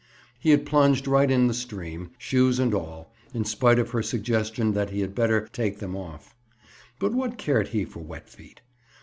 He had plunged right in the stream, shoes and all, in spite of her suggestion that he had better take them off. But what cared he for wet feet?